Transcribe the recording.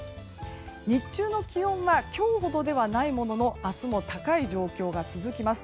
日中の気温は今日ほどではないものの明日も高い状況が続きます。